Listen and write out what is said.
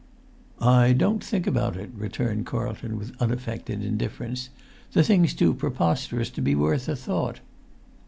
"I don't think about it," returned Carlton, with unaffected indifference. "The thing's too preposterous to be worth a thought."